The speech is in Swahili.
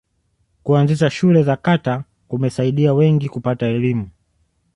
kuanzisha shule za kata kumesaidia wengi kupata elimu